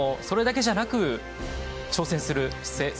それだけじゃなく挑戦する姿勢